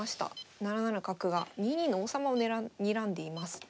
７七角が２二の王様をにらんでいます。